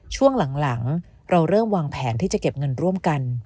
ช่วงหลังเราเริ่มวางแผนที่จะเก็บเงินร่วมกัน